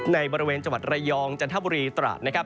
ในบริเวณจังหวัดระยองจันทบุรีตราดนะครับ